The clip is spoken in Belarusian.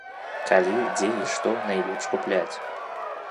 Калі, дзе і што найлепш купляць.